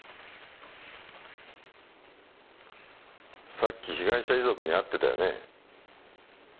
さっき被害者遺族に会ってたよね？